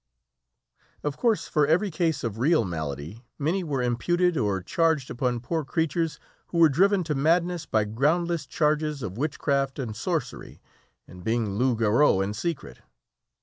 Of course for every case of real malady many were imputed or charged upon poor creatures, who were driven to madness by groundless charges of witchcraft and sorcery, and being loups garous in secret.